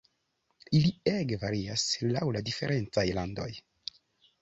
Ili ege varias laŭ la diferencaj landoj.